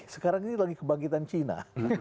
sekarang ini lagi kebangkitan cina